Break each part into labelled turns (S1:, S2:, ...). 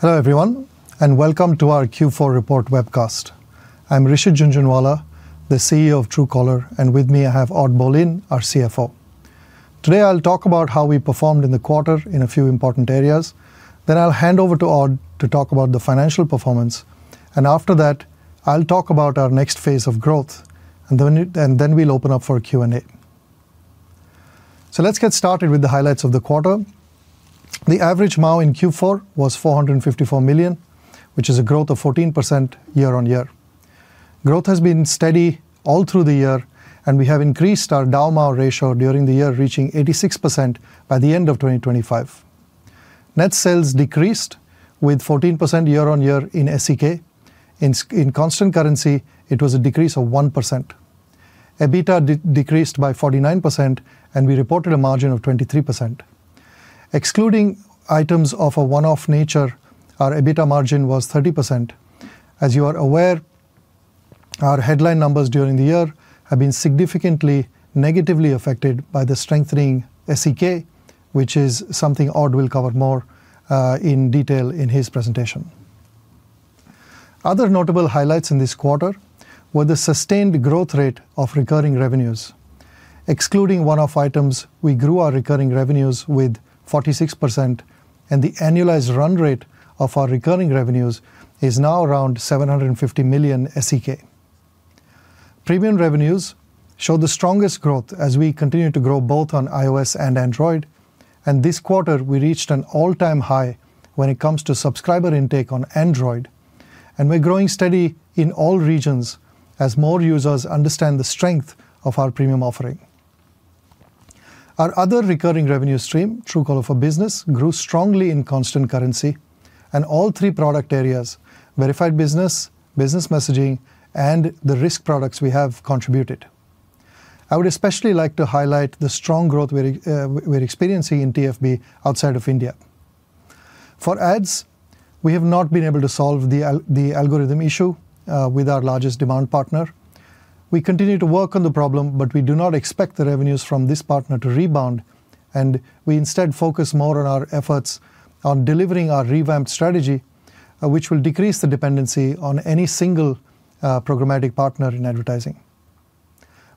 S1: Hello, everyone, and welcome to our Q4 Report Webcast. I'm Rishit Jhunjhunwala, the CEO of Truecaller, and with me, I have Odd Bolin, our CFO. Today, I'll talk about how we performed in the quarter in a few important areas. Then I'll hand over to Odd to talk about the financial performance, and after that, I'll talk about our next phase of growth, and then, and then we'll open up for Q&A. So let's get started with the highlights of the quarter. The average MAU in Q4 was 454 million, which is a growth of 14% year-on-year. Growth has been steady all through the year, and we have increased our DAU MAU ratio during the year, reaching 86% by the end of 2025. Net sales decreased 14% year-on-year in SEK. In constant currency, it was a decrease of 1%. EBITDA decreased by 49%, and we reported a margin of 23%. Excluding items of a one-off nature, our EBITDA margin was 30%. As you are aware, our headline numbers during the year have been significantly negatively affected by the strengthening SEK, which is something Odd will cover more in detail in his presentation. Other notable highlights in this quarter were the sustained growth rate of recurring revenues. Excluding one-off items, we grew our recurring revenues with 46%, and the annualized run rate of our recurring revenues is now around 750 million SEK. Premium revenues showed the strongest growth as we continued to grow both on iOS and Android, and this quarter we reached an all-time high when it comes to subscriber intake on Android. We're growing steady in all regions as more users understand the strength of our premium offering. Our other recurring revenue stream, Truecaller for Business, grew strongly in constant currency, and all three product areas: Verified Business, Business Messaging, and the risk products we have contributed. I would especially like to highlight the strong growth we're experiencing in TFB outside of India. For ads, we have not been able to solve the algorithm issue with our largest demand partner. We continue to work on the problem, but we do not expect the revenues from this partner to rebound, and we instead focus more on our efforts on delivering our revamped strategy, which will decrease the dependency on any single programmatic partner in advertising.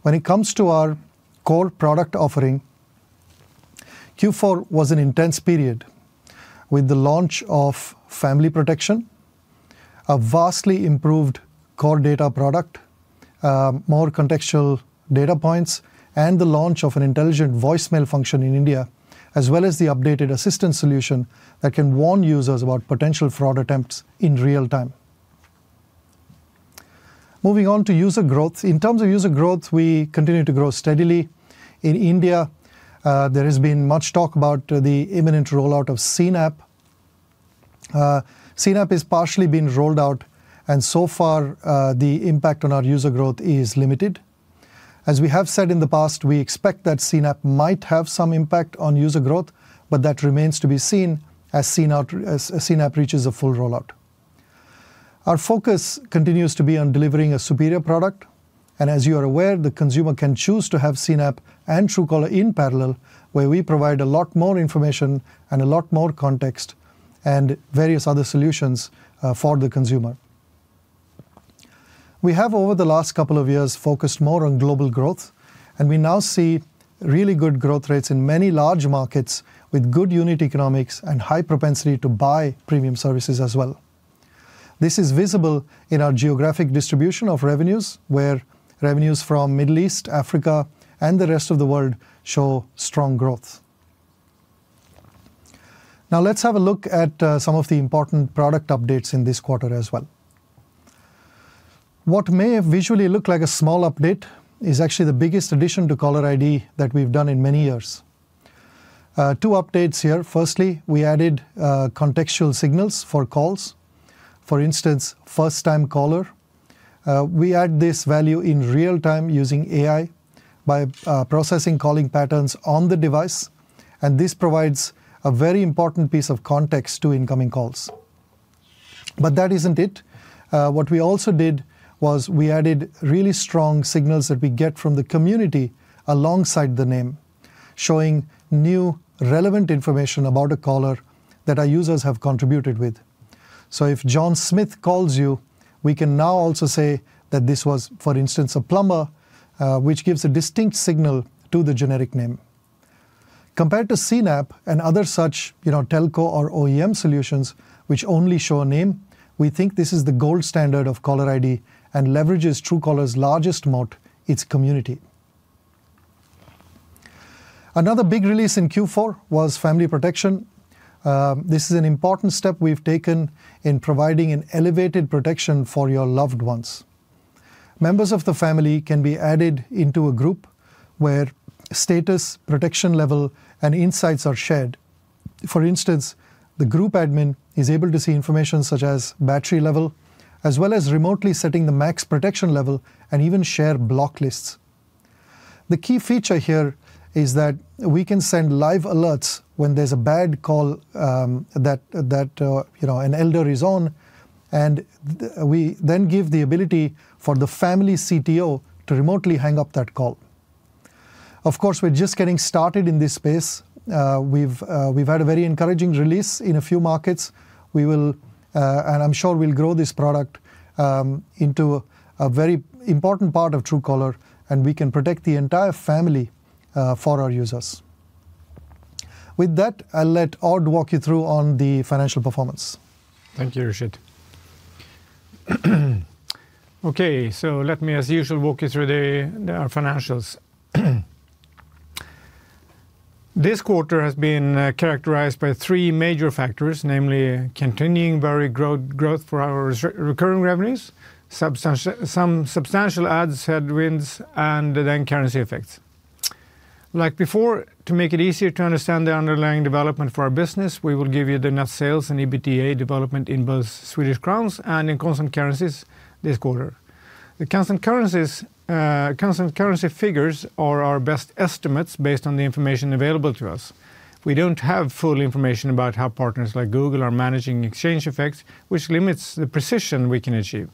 S1: When it comes to our core product offering, Q4 was an intense period with the launch of Family Protection, a vastly improved core data product, more contextual data points, and the launch of an intelligent voicemail function in India, as well as the updated assistant solution that can warn users about potential fraud attempts in real time. Moving on to user growth. In terms of user growth, we continue to grow steadily. In India, there has been much talk about the imminent rollout of CNAP. CNAP is partially been rolled out, and so far, the impact on our user growth is limited. As we have said in the past, we expect that CNAP might have some impact on user growth, but that remains to be seen as CNAP reaches a full rollout. Our focus continues to be on delivering a superior product, and as you are aware, the consumer can choose to have CNAP and Truecaller in parallel, where we provide a lot more information and a lot more context and various other solutions, for the consumer. We have, over the last couple of years, focused more on global growth, and we now see really good growth rates in many large markets, with good unit economics and high propensity to buy premium services as well. This is visible in our geographic distribution of revenues, where revenues from Middle East, Africa, and the rest of the world show strong growth. Now, let's have a look at some of the important product updates in this quarter as well. What may visually look like a small update is actually the biggest addition to caller ID that we've done in many years. Two updates here. Firstly, we added contextual signals for calls. For instance, first time caller. We add this value in real time using AI by processing calling patterns on the device, and this provides a very important piece of context to incoming calls. But that isn't it. What we also did was we added really strong signals that we get from the community alongside the name, showing new, relevant information about a caller that our users have contributed with. So if John Smith calls you, we can now also say that this was, for instance, a plumber, which gives a distinct signal to the generic name. Compared to CNAP and other such, you know, Telco or OEM solutions, which only show a name, we think this is the gold standard of caller ID and leverages Truecaller's largest moat, its community. Another big release in Q4 was Family Protection. This is an important step we've taken in providing an elevated protection for your loved ones. Members of the family can be added into a group where status, protection level, and insights are shared. For instance, the group admin is able to see information such as battery level, as well as remotely setting the max protection level and even share block lists. The key feature here is that we can send live alerts when there's a bad call, you know, an elder is on, and we then give the ability for the family CTO to remotely hang up that call. Of course, we're just getting started in this space. We've had a very encouraging release in a few markets. We will, and I'm sure we'll grow this product into a very important part of Truecaller, and we can protect the entire family for our users. With that, I'll let Odd walk you through on the financial performance.
S2: Thank you, Rishit. Okay, let me, as usual, walk you through our financials. This quarter has been characterized by three major factors, namely continuing very growth, growth for our recurring revenues, substantial, some substantial ads, headwinds, and then currency effects. Like before, to make it easier to understand the underlying development for our business, we will give you the net sales and EBITDA development in both Swedish crowns and in constant currencies this quarter. The constant currency figures are our best estimates based on the information available to us. We don't have full information about how partners like Google are managing exchange effects, which limits the precision we can achieve.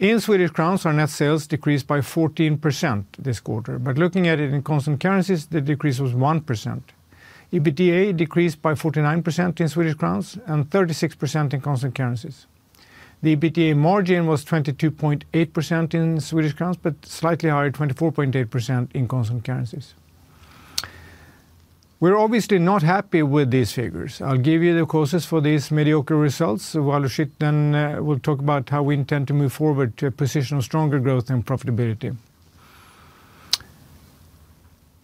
S2: In Swedish crowns, our net sales decreased by 14% this quarter, but looking at it in constant currencies, the decrease was 1%. EBITDA decreased by 49% in SEK and 36% in constant currencies. The EBITDA margin was 22.8% in SEK, but slightly higher, 24.8% in constant currencies. We're obviously not happy with these figures. I'll give you the causes for these mediocre results, while Rishit then will talk about how we intend to move forward to a position of stronger growth and profitability.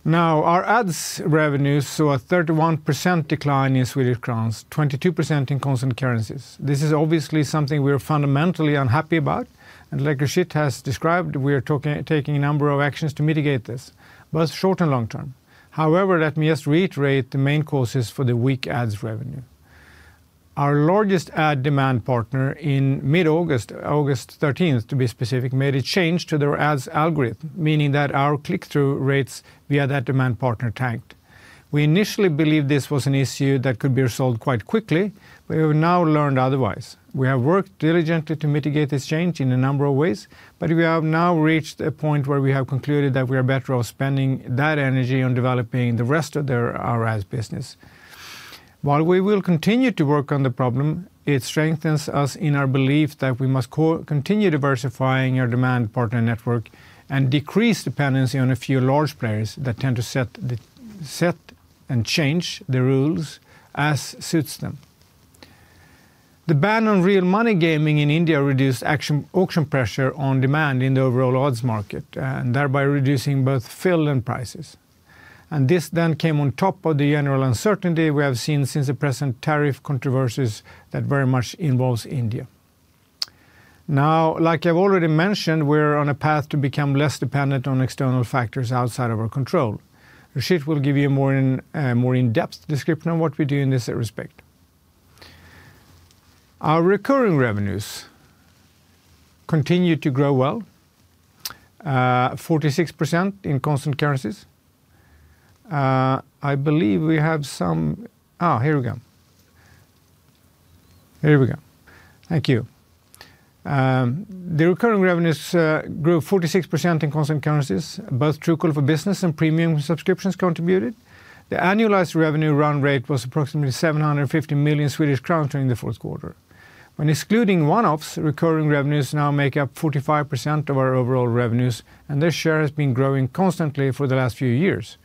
S2: Now, our ads revenues saw a 31% decline in SEK, 22% in constant currencies. This is obviously something we are fundamentally unhappy about, and like Rishit has described, we are taking a number of actions to mitigate this, both short and long term. However, let me just reiterate the main causes for the weak ads revenue. Our largest ad demand partner in mid-August, August 13th, to be specific, made a change to their ads algorithm, meaning that our click-through rates via that demand partner tanked. We initially believed this was an issue that could be resolved quite quickly, but we have now learned otherwise. We have worked diligently to mitigate this change in a number of ways, but we have now reached a point where we have concluded that we are better off spending that energy on developing the rest of their, our ads business. While we will continue to work on the problem, it strengthens us in our belief that we must continue diversifying our demand partner network and decrease dependency on a few large players that tend to set and change the rules as suits them. The ban on real money gaming in India reduced action, auction pressure on demand in the overall ads market, and thereby reducing both fill and prices. This then came on top of the general uncertainty we have seen since the present tariff controversies that very much involves India. Now, like I've already mentioned, we're on a path to become less dependent on external factors outside of our control. Rishit will give you a more in, more in-depth description on what we do in this respect. Our recurring revenues continue to grow well, 46% in constant currencies. I believe we have some... the recurring revenues grew 46% in constant currencies, both Truecaller for Business and Premium subscriptions contributed. The ARR was approximately 750 million Swedish crowns during the fourth quarter. When excluding one-offs, recurring revenues now make up 45% of our overall revenues, and this share has been growing constantly for the last few years.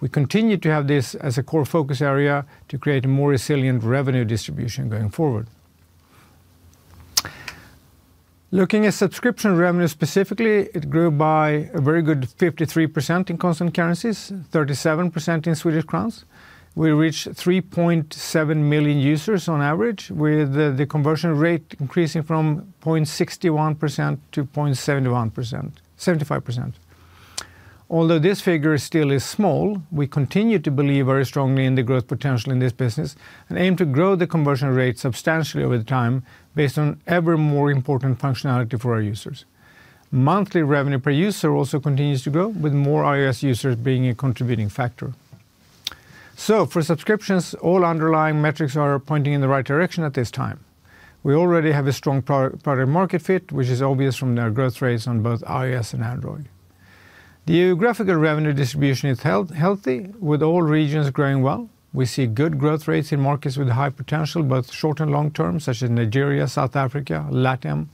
S2: We continue to have this as a core focus area to create a more resilient revenue distribution going forward. Looking at subscription revenue, specifically, it grew by a very good 53% in constant currencies, 37% in SEK. We reached 3.7 million users on average, with the conversion rate increasing from 0.61% to 0.75%. Although this figure still is small, we continue to believe very strongly in the growth potential in this business and aim to grow the conversion rate substantially over the time based on ever more important functionality for our users. Monthly revenue per user also continues to grow, with more iOS users being a contributing factor. So for subscriptions, all underlying metrics are pointing in the right direction at this time. We already have a strong product, product market fit, which is obvious from their growth rates on both iOS and Android. The geographical revenue distribution is healthy, with all regions growing well. We see good growth rates in markets with high potential, both short and long term, such as Nigeria, South Africa, LATAM,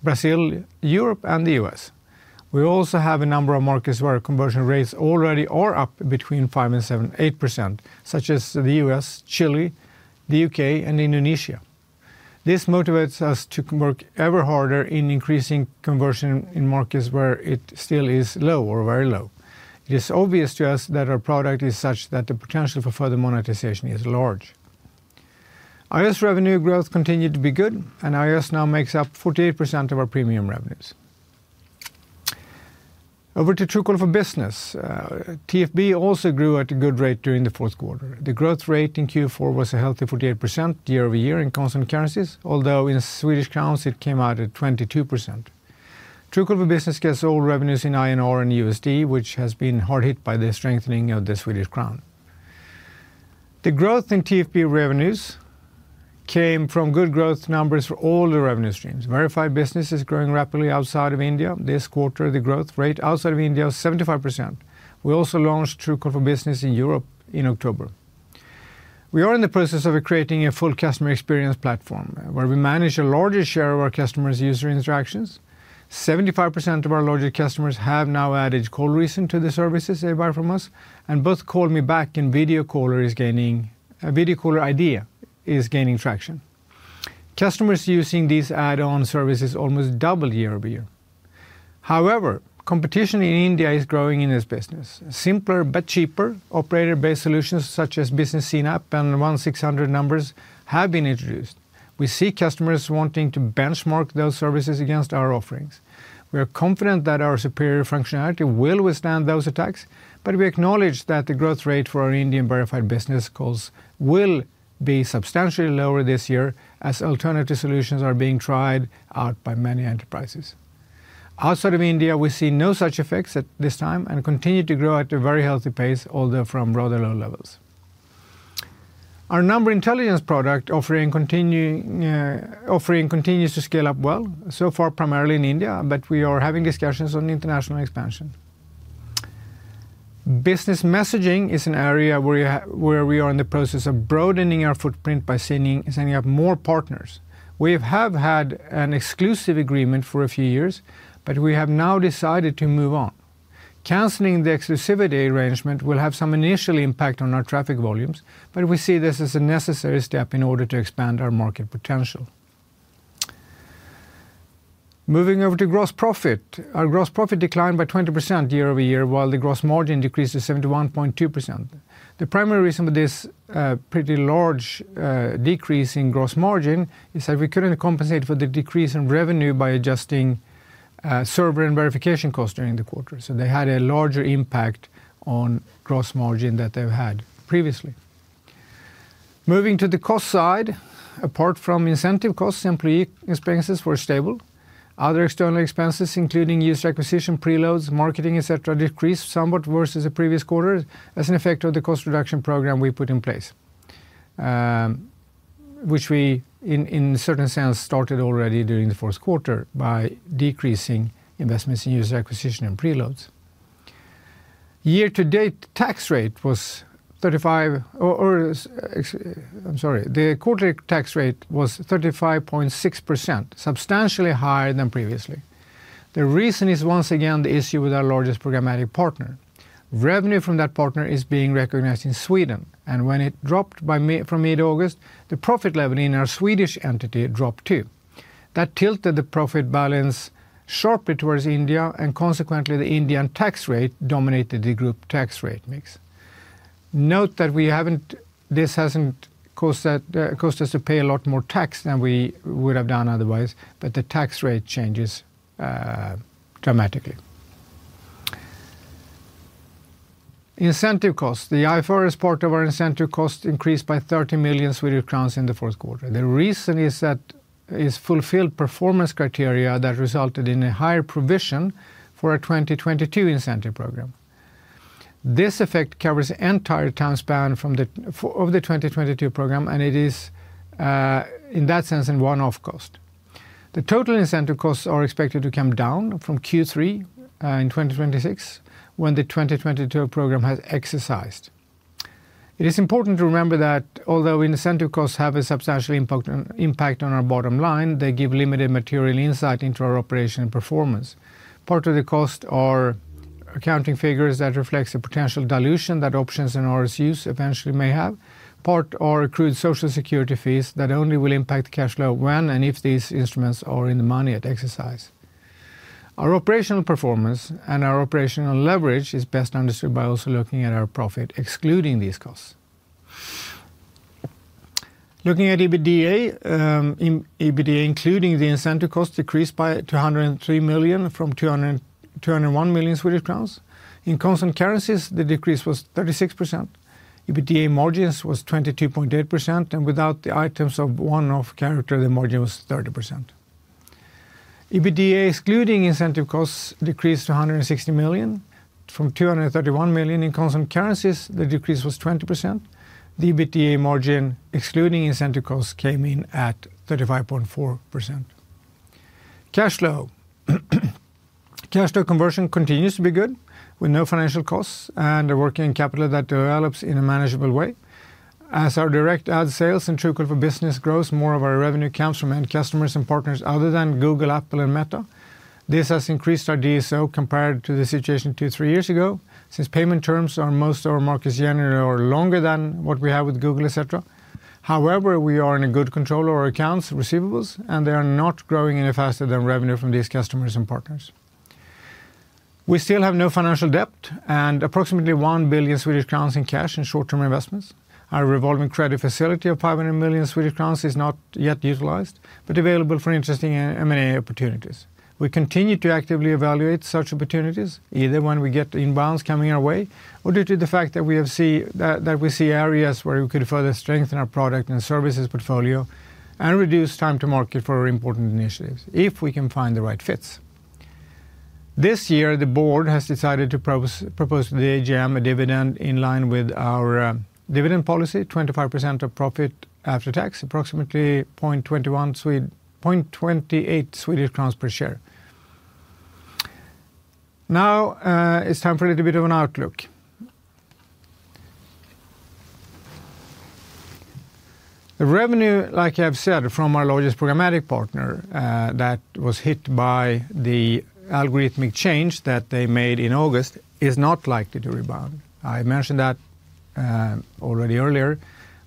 S2: Brazil, Europe, and the U.S. We also have a number of markets where our conversion rates already are up between 5 and 7, 8%, such as the U.S., Chile, the U.K., and Indonesia. This motivates us to work ever harder in increasing conversion in markets where it still is low or very low. It is obvious to us that our product is such that the potential for further monetization is large. iOS revenue growth continued to be good, and iOS now makes up 48% of our premium revenues. Over to Truecaller for Business. TFB also grew at a good rate during the fourth quarter. The growth rate in Q4 was a healthy 48% year-over-year in constant currencies, although in Swedish krona it came out at 22%. Truecaller for Business gets all revenues in INR and USD, which has been hard hit by the strengthening of the Swedish Krona. The growth in TFB revenues came from good growth numbers for all the revenue streams. Verified Business is growing rapidly outside of India. This quarter, the growth rate outside of India is 75%. We also launched Truecaller for Business in Europe in October. We are in the process of creating a full customer experience platform, where we manage a larger share of our customers' user interactions. 75% of our larger customers have now added Call Reason to the services they buy from us, and both Call Me Back and Video Caller ID is gaining traction. Customers using these add-on services almost double year-over-year. However, competition in India is growing in this business. Simpler but cheaper operator-based solutions such as Business CNAP and 1800 numbers have been introduced. We see customers wanting to benchmark those services against our offerings. We are confident that our superior functionality will withstand those attacks, but we acknowledge that the growth rate for our Indian Verified Business calls will be substantially lower this year as alternative solutions are being tried out by many enterprises. Outside of India, we see no such effects at this time and continue to grow at a very healthy pace, although from rather low levels. Our Number Intelligence product offering continues to scale up well, so far, primarily in India, but we are having discussions on international expansion. Business messaging is an area where we are in the process of broadening our footprint by signing up more partners. We have had an exclusive agreement for a few years, but we have now decided to move on. Canceling the exclusivity arrangement will have some initial impact on our traffic volumes, but we see this as a necessary step in order to expand our market potential. Moving over to gross profit. Our gross profit declined by 20% year-over-year, while the gross margin decreased to 71.2%. The primary reason for this, pretty large, decrease in gross margin is that we couldn't compensate for the decrease in revenue by adjusting, server and verification costs during the quarter, so they had a larger impact on gross margin than they've had previously. Moving to the cost side, apart from incentive costs, employee expenses were stable. Other external expenses, including user acquisition, preloads, marketing, et cetera, decreased somewhat versus the previous quarter as an effect of the cost reduction program we put in place, which we, in certain sense, started already during the fourth quarter by decreasing investments in user acquisition and preloads. The quarterly tax rate was 35.6%, substantially higher than previously. The reason is, once again, the issue with our largest programmatic partner. Revenue from that partner is being recognized in Sweden, and when it dropped from mid-August, the profit level in our Swedish entity dropped, too. That tilted the profit balance sharply towards India, and consequently, the Indian tax rate dominated the group tax rate mix. Note that this hasn't caused us to pay a lot more tax than we would have done otherwise, but the tax rate changes dramatically. Incentive costs. The IFRS part of our incentive cost increased by 30 million Swedish crowns in the fourth quarter. The reason is that is fulfilled performance criteria that resulted in a higher provision for our 2022 incentive program. This effect covers the entire time span of the 2022 program, and it is, in that sense, a one-off cost. The total incentive costs are expected to come down from Q3 in 2026, when the 2022 program has exercised. It is important to remember that although incentive costs have a substantial impact on our bottom line, they give limited material insight into our operational performance. Part of the cost are accounting figures that reflects the potential dilution that options and RSU eventually may have. Part are accrued Social Security fees that only will impact the cash flow when and if these instruments are in the money at exercise. Our operational performance and our operational leverage is best understood by also looking at our profit, excluding these costs. Looking at EBITDA including the incentive costs, decreased by 203 million from 202 million and 201 million Swedish crowns. In constant currencies, the decrease was 36%. EBITDA margins was 22.8%, and without the items of one-off character, the margin was 30%. EBITDA, excluding incentive costs, decreased to 160 million from 231 million. In constant currencies, the decrease was 20%. The EBITDA margin, excluding incentive costs, came in at 35.4%. Cash Flow. Cash flow conversion continues to be good, with no financial costs and a working capital that develops in a manageable way. As our direct ad sales and Truecaller business grows, more of our revenue comes from end customers and partners other than Google, Apple, and Meta. This has increased our DSO compared to the situation two to three years ago, since payment terms are most of our markets generally are longer than what we have with Google, et cetera. However, we are in a good control of our accounts, receivables, and they are not growing any faster than revenue from these customers and partners. We still have no financial debt and approximately 1 billion Swedish crowns in cash and short-term investments. Our revolving credit facility of 500 million Swedish crowns is not yet utilized, but available for interesting M&A opportunities. We continue to actively evaluate such opportunities, either when we get inbounds coming our way or due to the fact that we see areas where we could further strengthen our product and services portfolio and reduce time to market for important initiatives, if we can find the right fits. This year, the board has decided to propose to the AGM a dividend in line with our dividend policy, 25% of profit after tax, approximately 0.21-0.28 Swedish crowns per share. Now, it's time for a little bit of an outlook. The revenue, like I've said, from our largest programmatic partner that was hit by the algorithmic change that they made in August, is not likely to rebound. I mentioned that already earlier,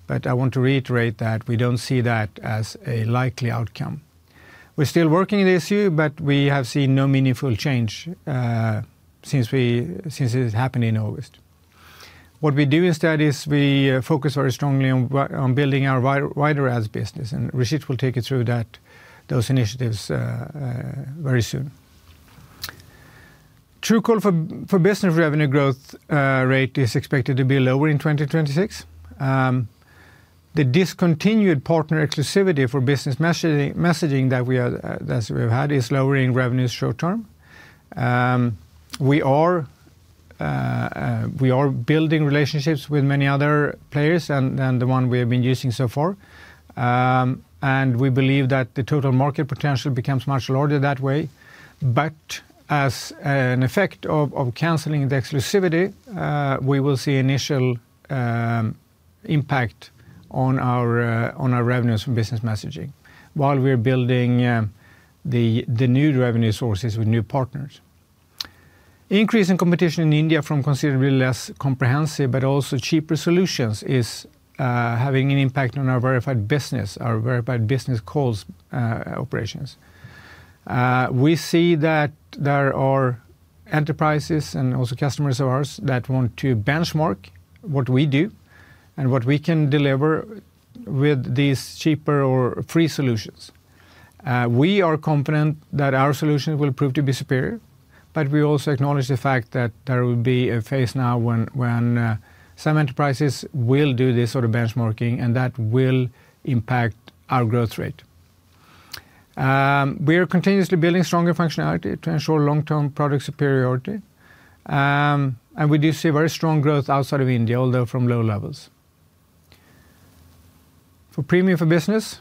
S2: but I want to reiterate that we don't see that as a likely outcome. We're still working on the issue, but we have seen no meaningful change since it happened in August. What we do instead is we focus very strongly on building our wider ads business, and Rishit will take you through that, those initiatives very soon. Truecaller for Business revenue growth rate is expected to be lower in 2026. The discontinued partner exclusivity for Business Messaging that we've had is lowering revenues short term. We are building relationships with many other players than the one we have been using so far. And we believe that the total market potential becomes much larger that way. But as an effect of canceling the exclusivity, we will see initial impact on our revenues from Business Messaging while we're building the new revenue sources with new partners. Increase in competition in India from considerably less comprehensive but also cheaper solutions is having an impact on our verified business calls operations. We see that there are enterprises and also customers of ours that want to benchmark what we do and what we can deliver with these cheaper or free solutions. We are confident that our solutions will prove to be superior, but we also acknowledge the fact that there will be a phase now when some enterprises will do this sort of benchmarking, and that will impact our growth rate. We are continuously building stronger functionality to ensure long-term product superiority. We do see very strong growth outside of India, although from low levels. For Premium for Business,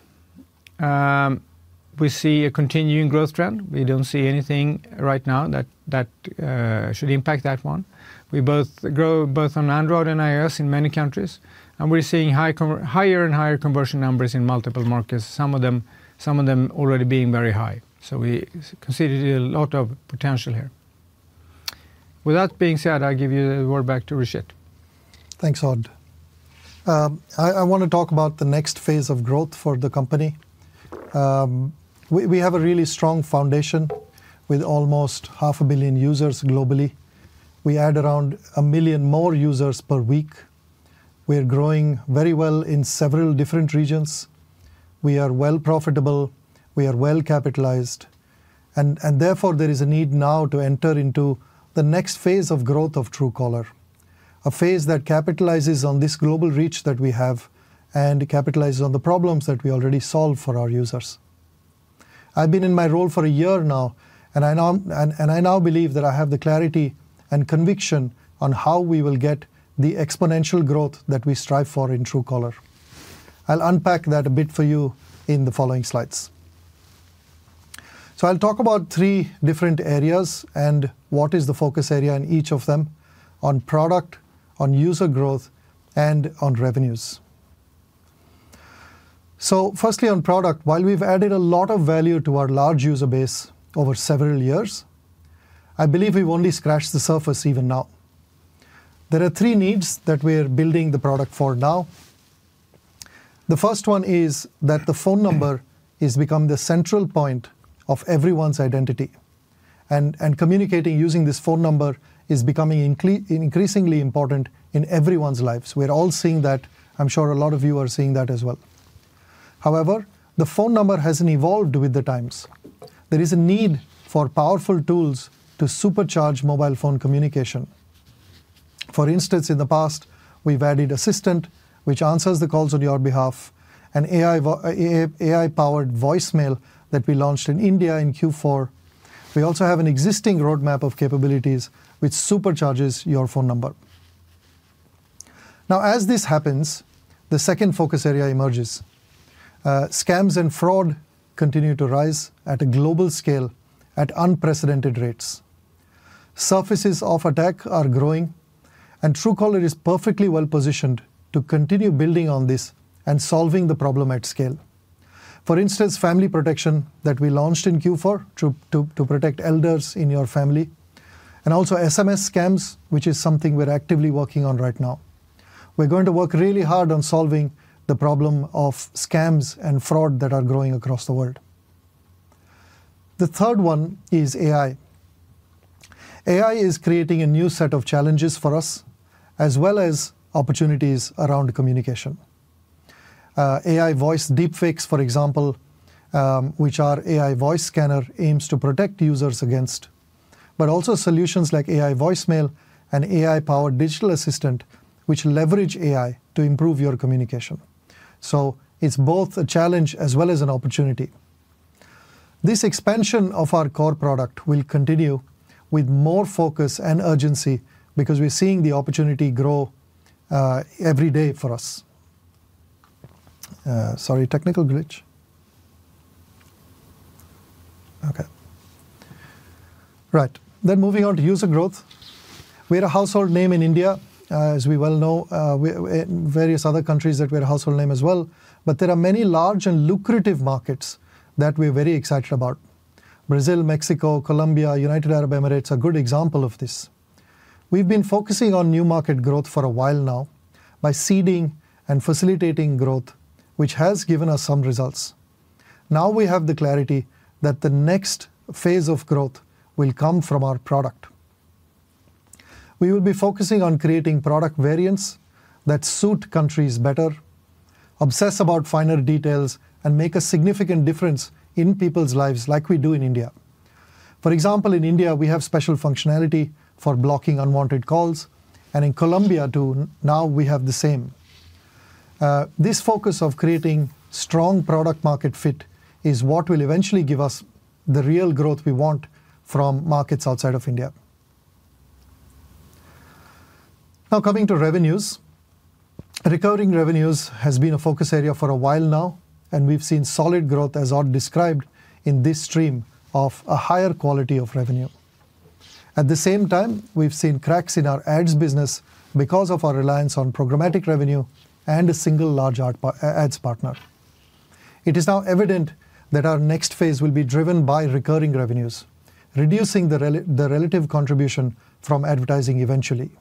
S2: we see a continuing growth trend. We don't see anything right now that should impact that one. We grow both on Android and iOS in many countries, and we're seeing high con... higher and higher conversion numbers in multiple markets, some of them, some of them already being very high. So we consider a lot of potential here. With that being said, I give you the word back to Rishit.
S1: Thanks, Odd. I want to talk about the next phase of growth for the company. We have a really strong foundation with almost 500 million users globally. We add around 1 million more users per week. We are growing very well in several different regions. We are well profitable, we are well capitalized, and therefore, there is a need now to enter into the next phase of growth of Truecaller, a phase that capitalizes on this global reach that we have and capitalizes on the problems that we already solve for our users. I've been in my role for a year now, and I now believe that I have the clarity and conviction on how we will get the exponential growth that we strive for in Truecaller. I'll unpack that a bit for you in the following slides. So I'll talk about three different areas and what is the focus area in each of them: on product, on user growth, and on revenues. So firstly, on product, while we've added a lot of value to our large user base over several years, I believe we've only scratched the surface even now. There are three needs that we are building the product for now. The first one is that the phone number is become the central point of everyone's identity, and communicating using this phone number is becoming increasingly important in everyone's lives. We're all seeing that. I'm sure a lot of you are seeing that as well. However, the phone number hasn't evolved with the times. There is a need for powerful tools to supercharge mobile phone communication. For instance, in the past, we've added Assistant, which answers the calls on your behalf, an AI-powered voicemail that we launched in India in Q4. We also have an existing roadmap of capabilities, which supercharges your phone number. Now, as this happens, the second focus area emerges. Scams and fraud continue to rise at a global scale at unprecedented rates. Surfaces of attack are growing, and Truecaller is perfectly well positioned to continue building on this and solving the problem at scale. For instance, Family Protection that we launched in Q4 to protect elders in your family, and also SMS scams, which is something we're actively working on right now. We're going to work really hard on solving the problem of scams and fraud that are growing across the world. The third one is AI. AI is creating a new set of challenges for us, as well as opportunities around communication. AI voice deepfakes, for example, which our AI voice scanner aims to protect users against, but also solutions like AI voicemail and AI-powered digital assistant, which leverage AI to improve your communication. So it's both a challenge as well as an opportunity. This expansion of our core product will continue with more focus and urgency because we're seeing the opportunity grow every day for us. Sorry, technical glitch. Okay. Right, then moving on to user growth. We're a household name in India, as we well know, we're in various other countries that we're a household name as well, but there are many large and lucrative markets that we're very excited about. Brazil, Mexico, Colombia, United Arab Emirates are a good example of this. We've been focusing on new market growth for a while now by seeding and facilitating growth, which has given us some results. Now we have the clarity that the next phase of growth will come from our product. We will be focusing on creating product variants that suit countries better, obsess about finer details, and make a significant difference in people's lives, like we do in India. For example, in India, we have special functionality for blocking unwanted calls, and in Colombia, too, now we have the same. This focus of creating strong product-market fit is what will eventually give us the real growth we want from markets outside of India. Now, coming to revenues. Recurring revenues has been a focus area for a while now, and we've seen solid growth, as Odd described, in this stream of a higher quality of revenue. At the same time, we've seen cracks in our ads business because of our reliance on programmatic revenue and a single large ads partner. It is now evident that our next phase will be driven by recurring revenues, reducing the relative contribution from advertising eventually.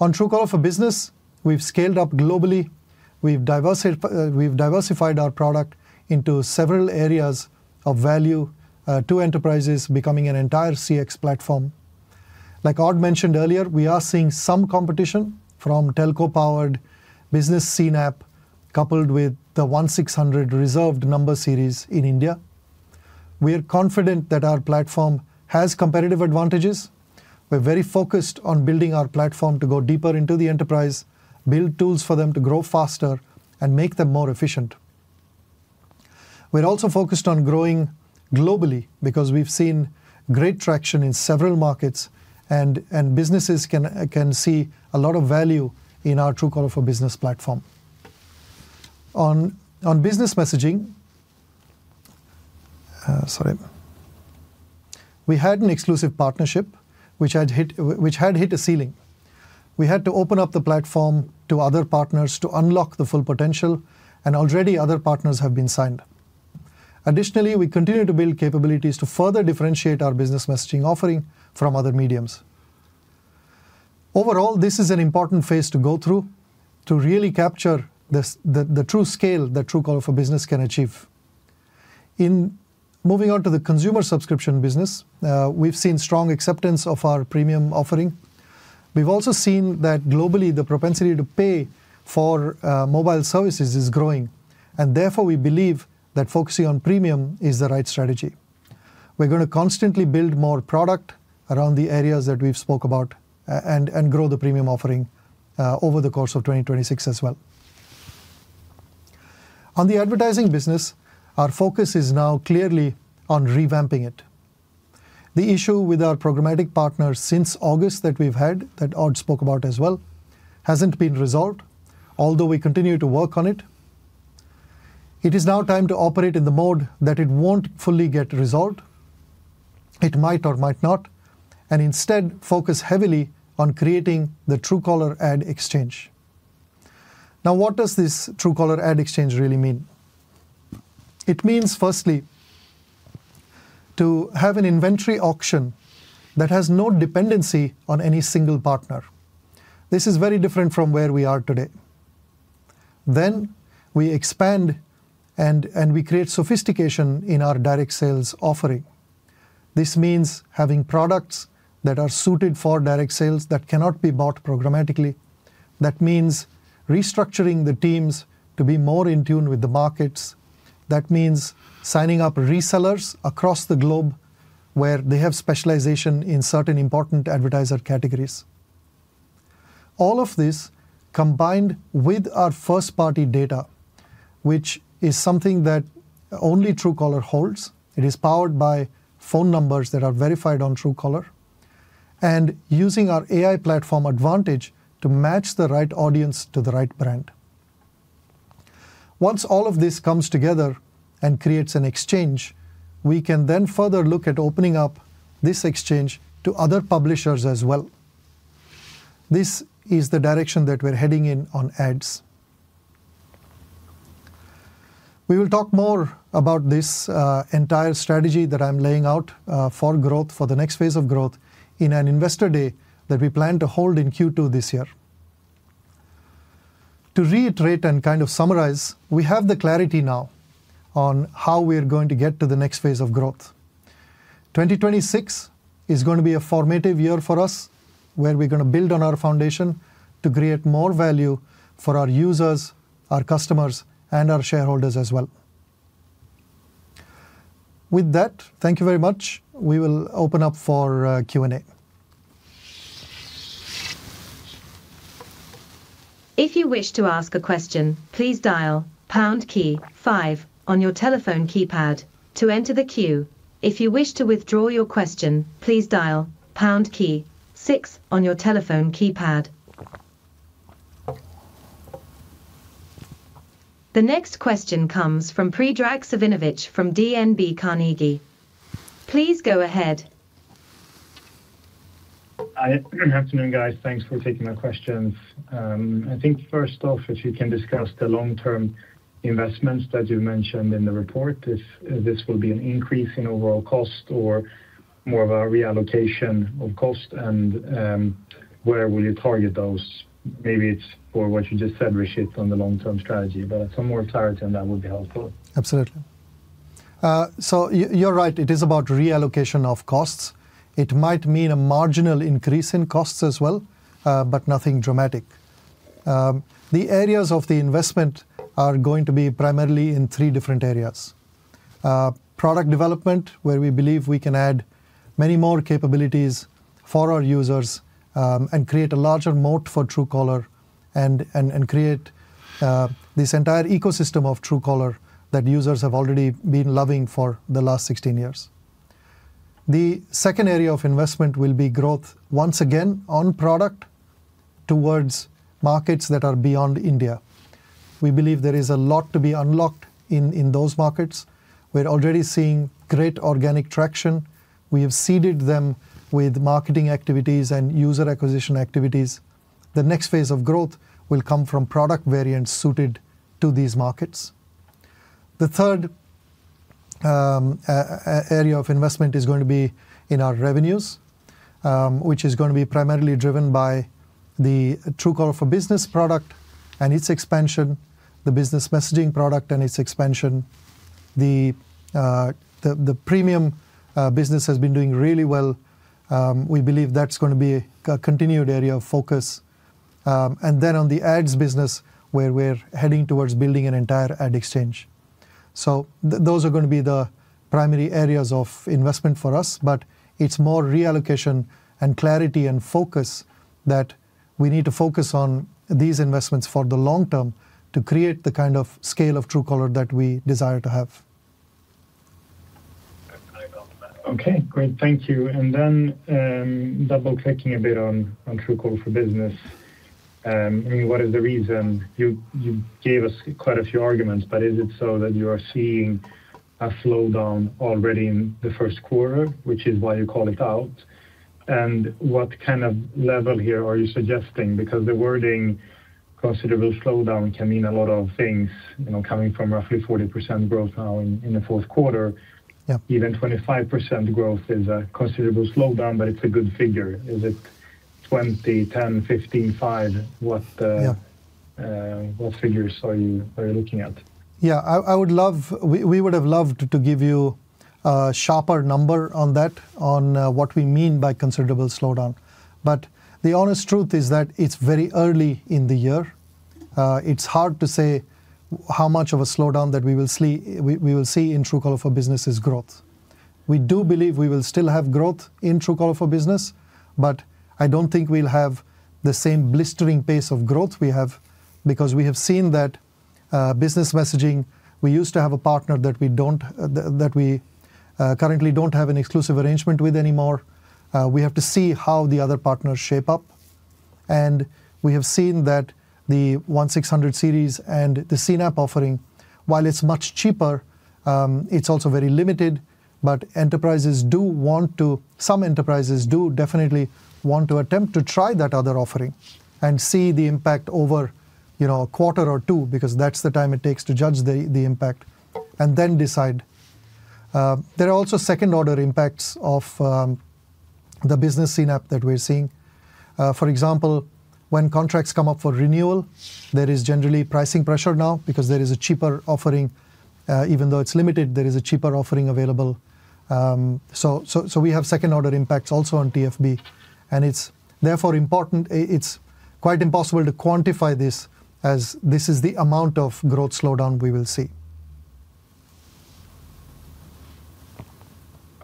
S1: On Truecaller for Business, we've scaled up globally, we've diversified our product into several areas of value to enterprises becoming an entire CX platform. Like Odd mentioned earlier, we are seeing some competition from telco-powered Business CNAP, coupled with the 1600 reserved number series in India. We are confident that our platform has competitive advantages. We're very focused on building our platform to go deeper into the enterprise, build tools for them to grow faster and make them more efficient. We're also focused on growing globally because we've seen great traction in several markets, and businesses can see a lot of value in our Truecaller for Business platform. On business messaging, sorry. We had an exclusive partnership which had hit a ceiling. We had to open up the platform to other partners to unlock the full potential, and already other partners have been signed. Additionally, we continue to build capabilities to further differentiate our business messaging offering from other mediums. Overall, this is an important phase to go through to really capture the true scale that Truecaller for Business can achieve. In moving on to the consumer subscription business, we've seen strong acceptance of our premium offering. We've also seen that globally, the propensity to pay for mobile services is growing, and therefore, we believe that focusing on premium is the right strategy. We're going to constantly build more product around the areas that we've spoke about, and, and grow the premium offering over the course of 2026 as well. On the advertising business, our focus is now clearly on revamping it. The issue with our programmatic partners since August that we've had, that Odd spoke about as well, hasn't been resolved, although we continue to work on it. It is now time to operate in the mode that it won't fully get resolved. It might or might not, and instead focus heavily on creating the Truecaller Ad Exchange. Now, what does this Truecaller Ad Exchange really mean? It means, firstly, to have an inventory auction that has no dependency on any single partner. This is very different from where we are today. Then we expand and we create sophistication in our direct sales offering. This means having products that are suited for direct sales that cannot be bought programmatically. That means restructuring the teams to be more in tune with the markets. That means signing up resellers across the globe where they have specialization in certain important advertiser categories. All of this combined with our first-party data, which is something that only Truecaller holds. It is powered by phone numbers that are verified on Truecaller and using our AI platform AdVantage to match the right audience to the right brand. Once all of this comes together and creates an exchange, we can then further look at opening up this exchange to other publishers as well. This is the direction that we're heading in on ads. We will talk more about this, entire strategy that I'm laying out, for growth, for the next phase of growth in an investor day that we plan to hold in Q2 this year. To reiterate and kind of summarize, we have the clarity now on how we are going to get to the next phase of growth. 2026 is going to be a formative year for us, where we're going to build on our foundation to create more value for our users, our customers, and our shareholders as well. With that, thank you very much. We will open up for Q&A.
S3: If you wish to ask a question, please dial pound key five on your telephone keypad to enter the queue. If you wish to withdraw your question, please dial pound key six on your telephone keypad. The next question comes from Predrag Savinovic from DNB Carnegie. Please go ahead.
S4: Hi. Afternoon, guys. Thanks for taking my questions. I think first off, if you can discuss the long-term investments that you mentioned in the report, if this will be an increase in overall cost or more of a reallocation of cost, and where will you target those? Maybe it's for what you just said, Rishit, on the long-term strategy, but some more clarity on that would be helpful.
S1: Absolutely. So you're right, it is about reallocation of costs. It might mean a marginal increase in costs as well, but nothing dramatic. The areas of the investment are going to be primarily in three different areas. Product development, where we believe we can add many more capabilities for our users, and create a larger moat for Truecaller and create this entire ecosystem of Truecaller that users have already been loving for the last 16 years. The second area of investment will be growth once again on product towards markets that are beyond India. We believe there is a lot to be unlocked in those markets. We're already seeing great organic traction. We have seeded them with marketing activities and user acquisition activities. The next phase of growth will come from product variants suited to these markets. The third area of investment is going to be in our revenues, which is going to be primarily driven by the Truecaller for Business product and its expansion, the business messaging product and its expansion. The premium business has been doing really well. We believe that's going to be a continued area of focus. On the ads business, where we're heading towards building an entire ad exchange. Those are going to be the primary areas of investment for us, but it's more reallocation and clarity and focus that we need to focus on these investments for the long term to create the kind of scale of Truecaller that we desire to have.
S4: Okay, great. Thank you. And then, double-checking a bit on, on Truecaller for Business. I mean, what is the reason you, you gave us quite a few arguments, but is it so that you are seeing a slowdown already in the first quarter, which is why you call it out? And what kind of level here are you suggesting? Because the wording considerable slowdown can mean a lot of things, you know, coming from roughly 40% growth now in, in the fourth quarter.
S1: Yeah.
S4: Even 25% growth is a considerable slowdown, but it's a good figure. Is it 20, 10, 15, 5? What?
S1: Yeah.
S4: What figures are you looking at?
S1: Yeah, I would love... We would have loved to give you a sharper number on that, on what we mean by considerable slowdown. But the honest truth is that it's very early in the year. It's hard to say how much of a slowdown that we will see in Truecaller for Business's growth. We do believe we will still have growth in Truecaller for Business, but I don't think we'll have the same blistering pace of growth we have, because we have seen that business messaging, we used to have a partner that we don't currently have an exclusive arrangement with anymore. We have to see how the other partners shape up, and we have seen that the 1600 series and the CNAP offering, while it's much cheaper, it's also very limited. But enterprises do want to—some enterprises do definitely want to attempt to try that other offering and see the impact over, you know, a quarter or two, because that's the time it takes to judge the impact and then decide. There are also second-order impacts of the Business CNAP that we're seeing. For example, when contracts come up for renewal, there is generally pricing pressure now because there is a cheaper offering. Even though it's limited, there is a cheaper offering available. So we have second-order impacts also on TFB, and it's therefore important... It's quite impossible to quantify this, as this is the amount of growth slowdown we will see.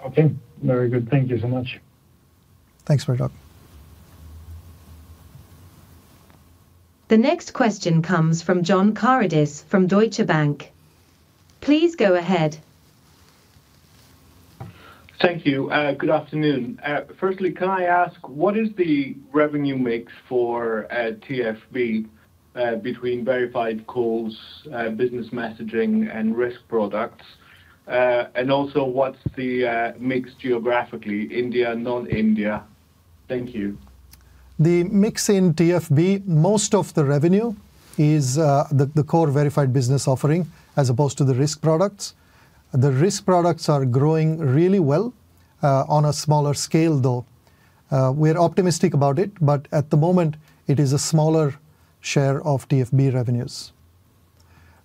S4: Okay, very good. Thank you so much.
S1: Thanks for your time.
S3: The next question comes from John Karidis from Deutsche Bank. Please go ahead.
S5: Thank you. Good afternoon. Firstly, can I ask, what is the revenue mix for TFB between verified calls, business messaging, and risk products? And also, what's the mix geographically, India and non-India? Thank you.
S1: The mix in TFB, most of the revenue is the core verified business offering as opposed to the risk products. The risk products are growing really well on a smaller scale, though. We're optimistic about it, but at the moment, it is a smaller share of TFB revenues.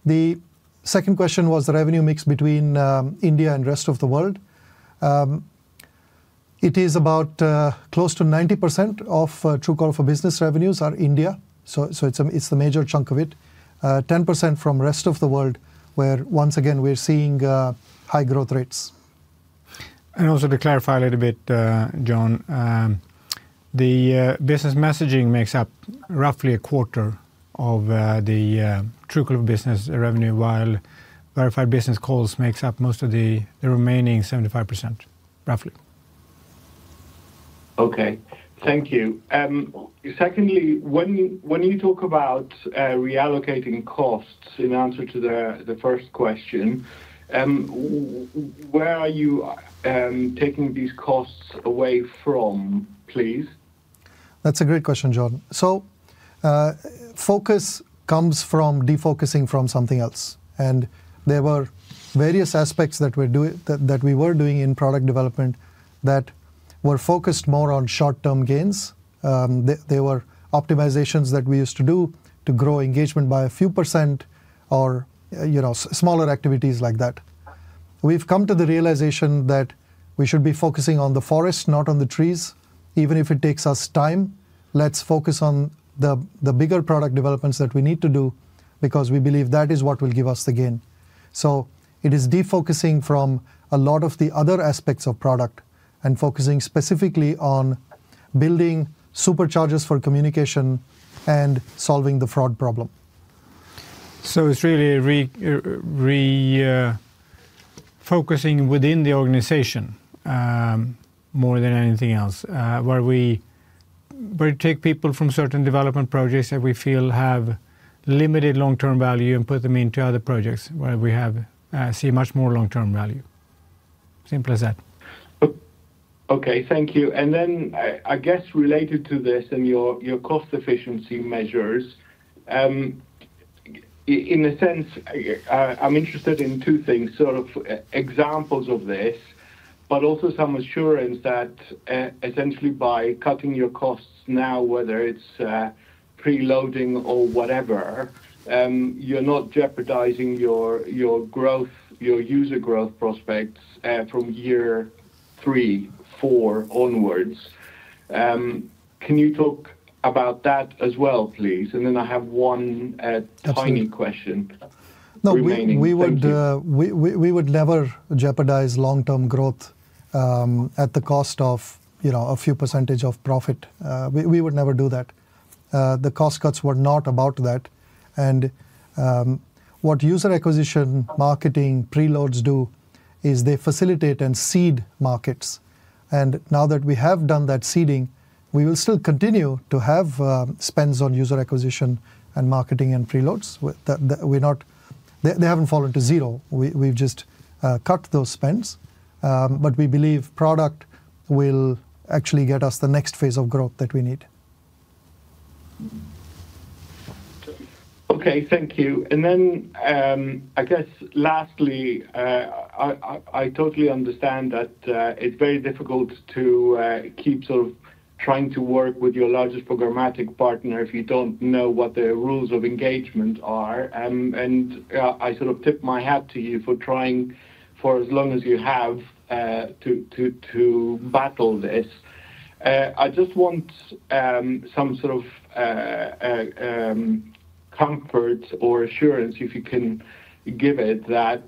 S1: The second question was the revenue mix between India and rest of the world. It is about close to 90% of Truecaller for Business revenues are India. So it's the major chunk of it. 10% from rest of the world, where once again, we're seeing high growth rates.
S2: And also to clarify a little bit, John, the business messaging makes up roughly a quarter of the Truecaller business revenue, while verified business calls makes up most of the remaining 75%, roughly.
S5: Okay. Thank you. Secondly, when you talk about reallocating costs in answer to the first question, where are you taking these costs away from, please?
S1: That's a great question, John. So, focus comes from defocusing from something else, and there were various aspects that we were doing in product development that were focused more on short-term gains. They were optimizations that we used to do to grow engagement by a few% or, you know, smaller activities like that. We've come to the realization that we should be focusing on the forest, not on the trees. Even if it takes us time, let's focus on the bigger product developments that we need to do because we believe that is what will give us the gain. So it is defocusing from a lot of the other aspects of product and focusing specifically on building superchargers for communication and solving the fraud problem.
S2: So it's really focusing within the organization, more than anything else, where we take people from certain development projects that we feel have limited long-term value and put them into other projects where we see much more long-term value. Simple as that.
S5: Okay, thank you. And then I guess related to this and your cost efficiency measures, in a sense, I'm interested in two things, sort of, examples of this, but also some assurance that essentially by cutting your costs now, whether it's preloading or whatever, you're not jeopardizing your growth, your user growth prospects from year 3, 4 onwards. Can you talk about that as well, please? And then I have one,
S1: Absolutely.
S5: Tiny question remaining. Thank you.
S1: No, we would never jeopardize long-term growth at the cost of, you know, a few percentage of profit. We would never do that. The cost cuts were not about that. And what user acquisition, marketing, preloads do is they facilitate and seed markets. And now that we have done that seeding, we will still continue to have spends on user acquisition and marketing and preloads. We're not. They haven't fallen to zero. We've just cut those spends. But we believe product will actually get us the next phase of growth that we need.
S5: Okay, thank you. Then, I guess lastly, I totally understand that it's very difficult to keep sort of trying to work with your largest programmatic partner if you don't know what the rules of engagement are? And, I sort of tip my hat to you for trying for as long as you have to battle this. I just want some sort of comfort or assurance, if you can give it, that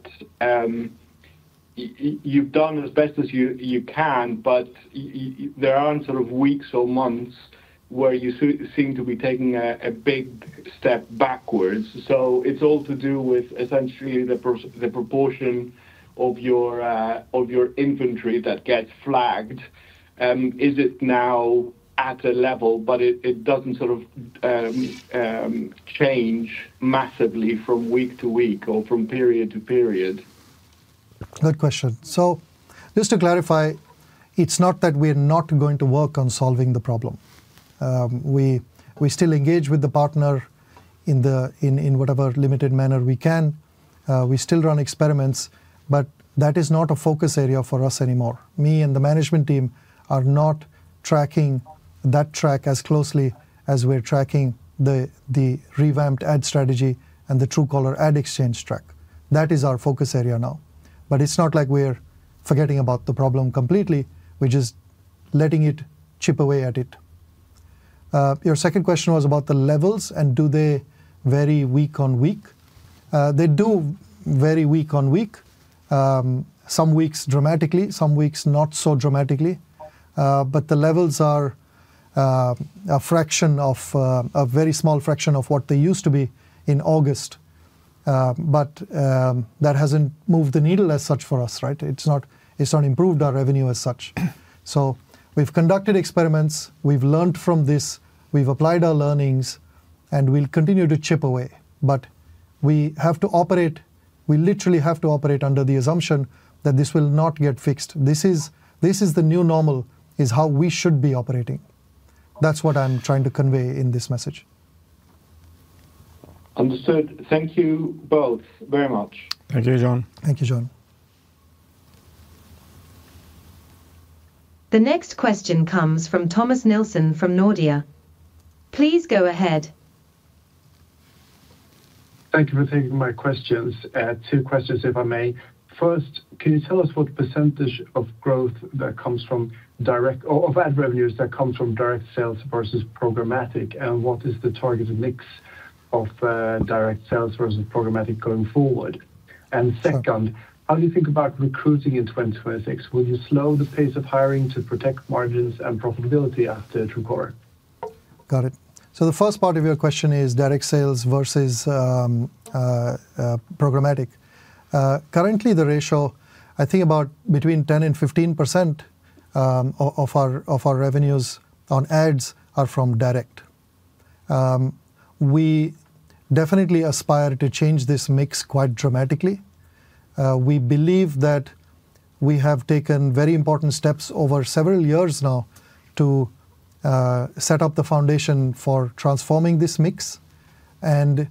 S5: you've done as best as you can, but you-- there are sort of weeks or months where you seem to be taking a big step backwards. So it's all to do with essentially the proportion of your inventory that gets flagged. Is it now at a level, but it, it doesn't sort of change massively from week to week or from period to period?
S1: Good question. So just to clarify, it's not that we're not going to work on solving the problem. We still engage with the partner in whatever limited manner we can. We still run experiments, but that is not a focus area for us anymore. Me and the management team are not tracking that track as closely as we're tracking the revamped ad strategy and the Truecaller Ad Exchange track. That is our focus area now, but it's not like we're forgetting about the problem completely. We're just letting it chip away at it. Your second question was about the levels and do they vary week on week? They do vary week on week. Some weeks dramatically, some weeks not so dramatically. But the levels are a fraction of a very small fraction of what they used to be in August. But that hasn't moved the needle as such for us, right? It's not, it's not improved our revenue as such. So we've conducted experiments, we've learned from this, we've applied our learnings, and we'll continue to chip away. But we have to operate, we literally have to operate under the assumption that this will not get fixed. This is, this is the new normal, is how we should be operating. That's what I'm trying to convey in this message.
S5: Understood. Thank you both very much.
S1: Thank you, John.
S2: Thank you, John.
S3: The next question comes from Thomas Nilsson from Nordea. Please go ahead.
S6: Thank you for taking my questions. Two questions, if I may. First, can you tell us what percentage of growth that comes from direct... or of ad revenues that comes from direct sales versus programmatic, and what is the targeted mix? Of direct sales versus programmatic going forward.
S1: Sure.
S6: Second, how do you think about recruiting in 2026? Will you slow the pace of hiring to protect margins and profitability after Truecaller?
S1: Got it. So the first part of your question is direct sales versus programmatic. Currently the ratio, I think about between 10% and 15% of our revenues on ads are from direct. We definitely aspire to change this mix quite dramatically. We believe that we have taken very important steps over several years now to set up the foundation for transforming this mix, and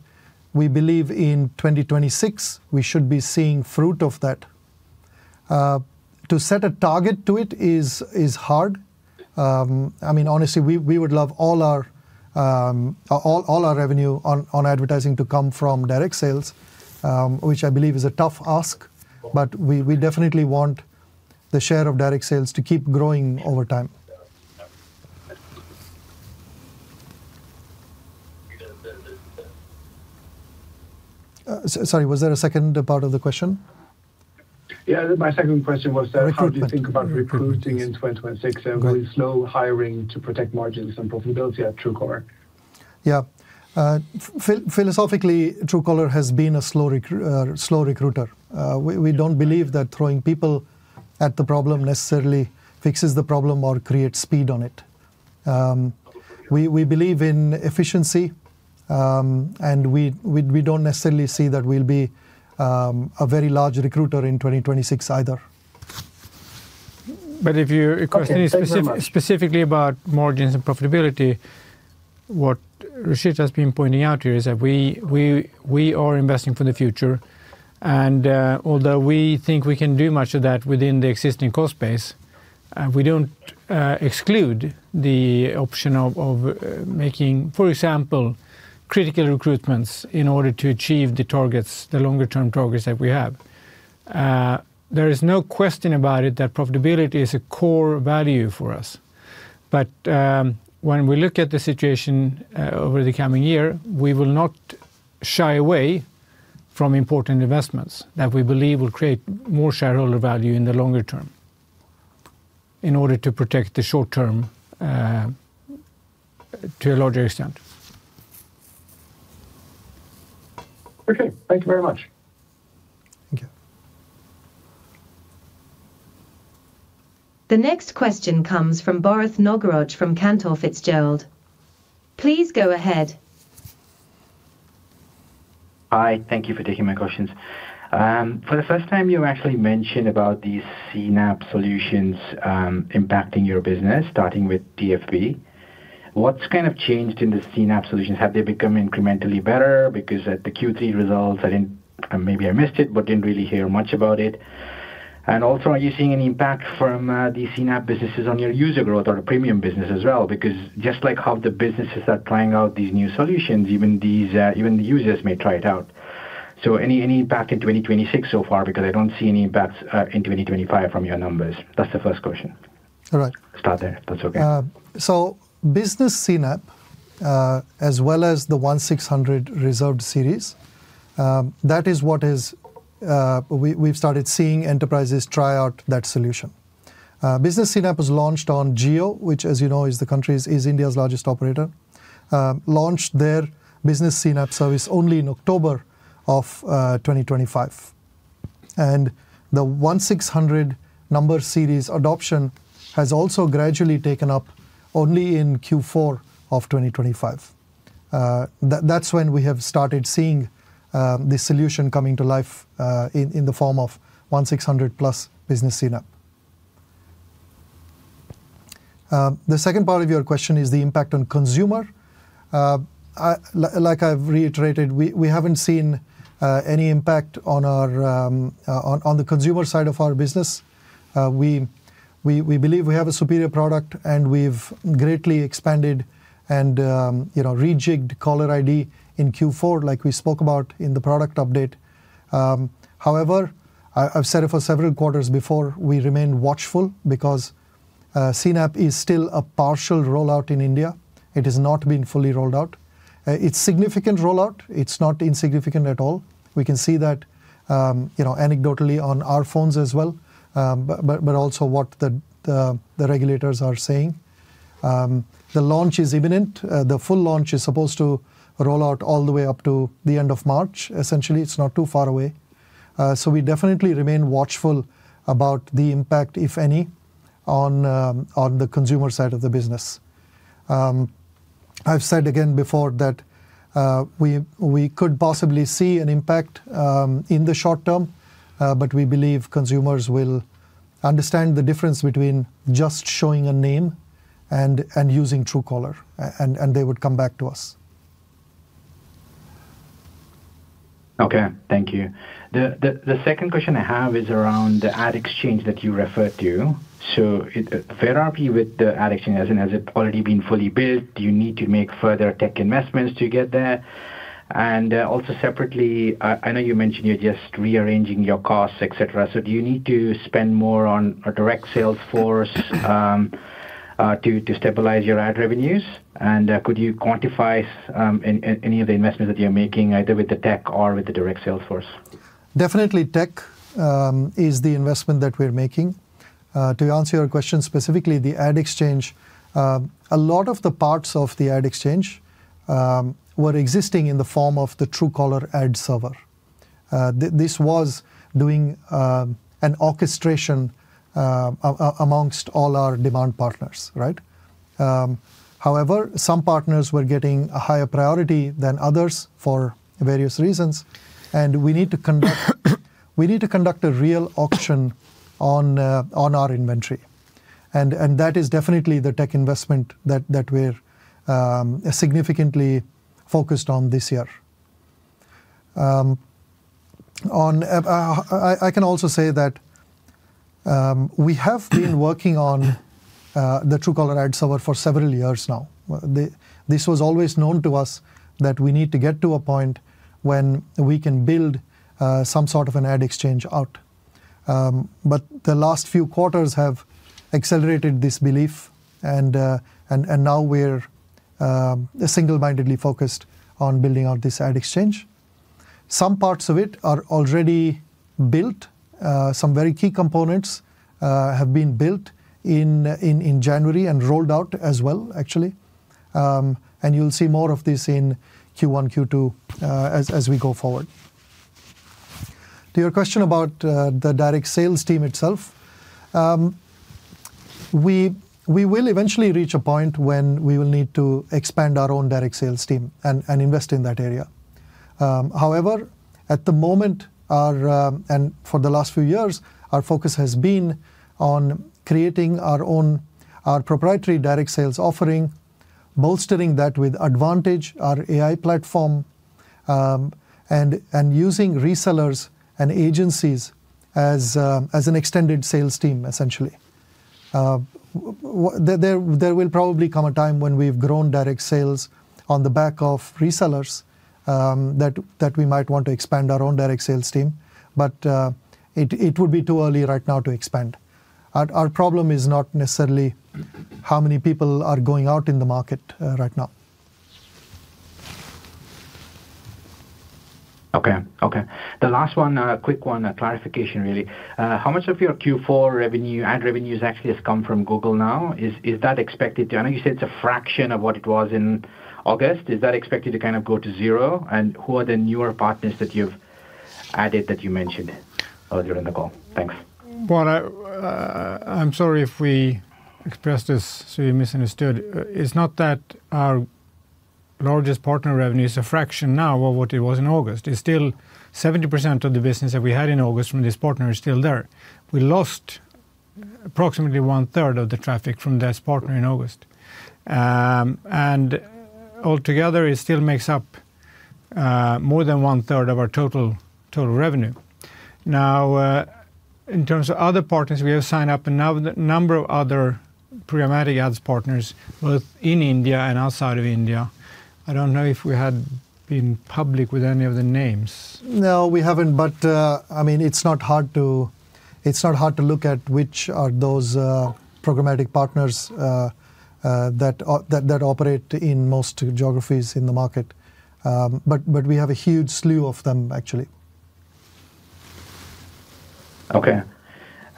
S1: we believe in 2026 we should be seeing fruit of that. To set a target to it is hard. I mean, honestly, we would love all our revenue on advertising to come from direct sales, which I believe is a tough ask, but we definitely want the share of direct sales to keep growing over time. Sorry, was there a second part of the question?
S6: Yeah. My second question was that-
S1: Recruiting
S6: How do you think about recruiting in 2026?
S1: Got it.
S6: Will you slow hiring to protect margins and profitability at Truecaller?
S1: Yeah. Philosophically, Truecaller has been a slow recruiter. We don't believe that throwing people at the problem necessarily fixes the problem or creates speed on it. We believe in efficiency, and we don't necessarily see that we'll be a very large recruiter in 2026 either.
S2: But if you're questioning-
S6: Okay, thank you very much.
S2: Specifically about margins and profitability, what Rishit has been pointing out here is that we are investing for the future. Although we think we can do much of that within the existing cost base, we don't exclude the option of making, for example, critical recruitments in order to achieve the targets, the longer term targets that we have. There is no question about it that profitability is a core value for us, but when we look at the situation over the coming year, we will not shy away from important investments that we believe will create more shareholder value in the longer term, in order to protect the short term to a larger extent.
S6: Okay, thank you very much.
S2: Thank you.
S3: The next question comes from Bharath Nagaraj from Cantor Fitzgerald. Please go ahead.
S7: Hi, thank you for taking my questions. For the first time, you actually mentioned about these CNAP solutions impacting your business, starting with TFB. What's kind of changed in the CNAP solutions? Have they become incrementally better? Because at the Q3 results, I didn't... maybe I missed it, but didn't really hear much about it. And also, are you seeing any impact from these CNAP businesses on your user growth or the premium business as well? Because just like how the businesses are trying out these new solutions, even these even the users may try it out. So any impact in 2026 so far? Because I don't see any impacts in 2025 from your numbers. That's the first question.
S1: All right.
S7: Start there, if that's okay.
S1: So, Business CNAP, as well as the 1600 reserved series, that is what is... We, we've started seeing enterprises try out that solution. Business CNAP was launched on Jio, which, as you know, is the country's, is India's largest operator. Launched their Business CNAP service only in October 2025, and the 1600 number series adoption has also gradually taken up only in Q4 2025. That's when we have started seeing the solution coming to life in the form of 1600 plus Business CNAP. The second part of your question is the impact on consumer. Like I've reiterated, we, we haven't seen any impact on our on the consumer side of our business. We believe we have a superior product, and we've greatly expanded and, you know, rejigged caller ID in Q4, like we spoke about in the product update. However, I've said it for several quarters before, we remain watchful because CNAP is still a partial rollout in India. It has not been fully rolled out. It's significant rollout. It's not insignificant at all. We can see that, you know, anecdotally on our phones as well. But also what the regulators are saying. The launch is imminent. The full launch is supposed to roll out all the way up to the end of March. Essentially, it's not too far away. So we definitely remain watchful about the impact, if any, on the consumer side of the business. I've said again before that we could possibly see an impact in the short term, but we believe consumers will understand the difference between just showing a name and using Truecaller, and they would come back to us.
S7: Okay. Thank you. The second question I have is around the ad exchange that you referred to. So where are you with the ad exchange? Has it already been fully built? Do you need to make further tech investments to get there? And also separately, I know you mentioned you're just rearranging your costs, et cetera, so do you need to spend more on a direct sales force to stabilize your ad revenues? And could you quantify any of the investments that you're making, either with the tech or with the direct sales force?
S1: Definitely, tech is the investment that we're making. To answer your question, specifically, the Ad Exchange, a lot of the parts of the Ad Exchange were existing in the form of the Truecaller Ad Server. This was doing an orchestration among all our demand partners, right? However, some partners were getting a higher priority than others for various reasons, and we need to conduct a real auction on our inventory, and that is definitely the tech investment that we're significantly focused on this year. I can also say that we have been working on the Truecaller Ad Server for several years now. This was always known to us that we need to get to a point when we can build some sort of an ad exchange out. But the last few quarters have accelerated this belief and now we're single-mindedly focused on building out this ad exchange. Some parts of it are already built. Some very key components have been built in January and rolled out as well, actually. And you'll see more of this in Q1, Q2, as we go forward. To your question about the direct sales team itself, we will eventually reach a point when we will need to expand our own direct sales team and invest in that area. However, at the moment, and for the last few years, our focus has been on creating our own proprietary direct sales offering, bolstering that with AdVantage, our AI platform, and using resellers and agencies as an extended sales team, essentially. There will probably come a time when we've grown direct sales on the back of resellers, that we might want to expand our own direct sales team, but it would be too early right now to expand. Our problem is not necessarily how many people are going out in the market right now.
S7: Okay. Okay. The last one, a quick one, a clarification, really. How much of your Q4 revenue, ad revenues, actually has come from Google now? Is that expected to... I know you said it's a fraction of what it was in August. Is that expected to kind of go to zero? And who are the newer partners that you've added, that you mentioned earlier in the call? Thanks.
S2: Well, I'm sorry if we expressed this so you misunderstood. It's not that our largest partner revenue is a fraction now of what it was in August. It's still 70% of the business that we had in August from this partner is still there. We lost approximately one third of the traffic from this partner in August. And altogether, it still makes up more than one third of our total, total revenue. Now, in terms of other partners, we have signed up a number of other programmatic ads partners, both in India and outside of India. I don't know if we had been public with any of the names.
S1: No, we haven't. But, I mean, it's not hard to look at which are those programmatic partners that operate in most geographies in the market. But we have a huge slew of them, actually.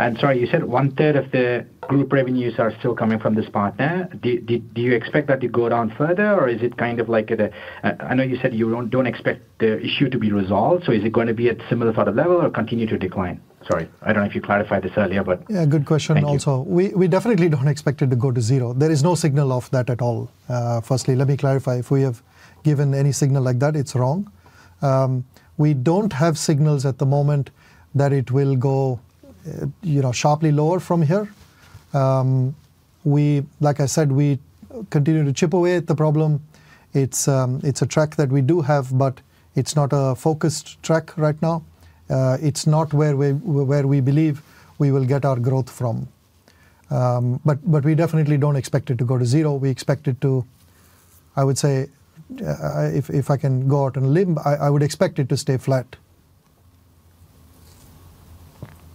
S7: Okay. Sorry, you said one-third of the group revenues are still coming from this partner. Do you expect that to go down further or is it kind of like a... I know you said you don't expect the issue to be resolved, so is it going to be at similar sort of level or continue to decline? Sorry, I don't know if you clarified this earlier, but-
S1: Yeah, good question also.
S7: Thank you.
S1: We definitely don't expect it to go to zero. There is no signal of that at all. Firstly, let me clarify. If we have given any signal like that, it's wrong. We don't have signals at the moment that it will go, you know, sharply lower from here. Like I said, we continue to chip away at the problem. It's a track that we do have, but it's not a focused track right now. It's not where we believe we will get our growth from. But we definitely don't expect it to go to zero. We expect it to, I would say, if I can go out on a limb, I would expect it to stay flat.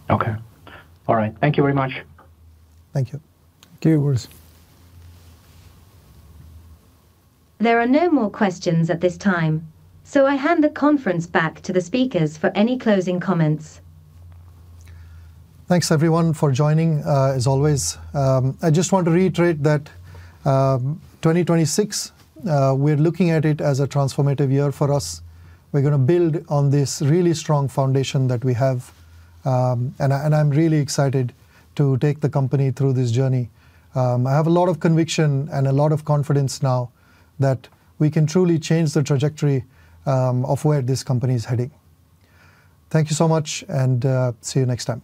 S7: Okay. All right. Thank you very much.
S1: Thank you.
S2: Thank you.
S3: There are no more questions at this time, so I hand the conference back to the speakers for any closing comments.
S1: Thanks, everyone, for joining, as always. I just want to reiterate that, 2026, we're looking at it as a transformative year for us. We're gonna build on this really strong foundation that we have. And I'm really excited to take the company through this journey. I have a lot of conviction and a lot of confidence now that we can truly change the trajectory, of where this company is heading. Thank you so much, and, see you next time.